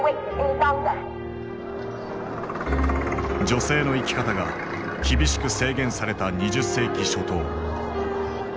女性の生き方が厳しく制限された２０世紀初頭。